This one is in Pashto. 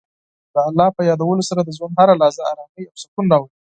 د الله په یادولو سره د ژوند هره لحظه ارامۍ او سکون راولي.